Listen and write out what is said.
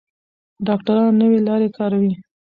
ډاکټران نوې لارې کاروي.